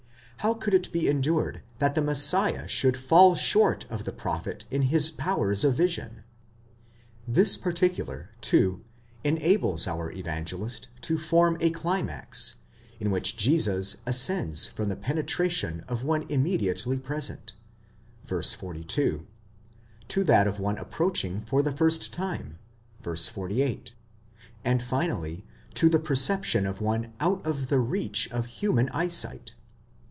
How could it be endured that the Messiah should fall short of the prophet in his powers of vision? This particular, too, en ables our Evangelist to form a climax, in which Jesus ascends from the pene tration of one immediately present (v. 42), to that of one approaching for the first time (v. 48), and finally, to the perception of one out of the reach of human eyesight.